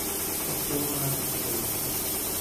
Obtuvo nuevamente la reelección.